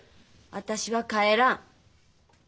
私は帰らん。